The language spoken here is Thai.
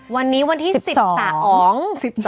วันนี้วันที่สิบสอง